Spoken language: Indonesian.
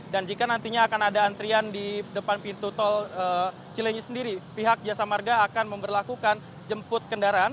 dan jika nantinya akan ada antrian di depan pintu tol cileni sendiri pihak jasa marga akan memperlakukan jemput kendaraan